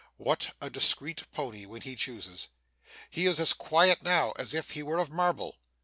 What a discreet pony when he chooses! He is as quiet now as if he were of marble.